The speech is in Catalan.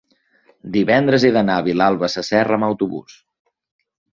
divendres he d'anar a Vilalba Sasserra amb autobús.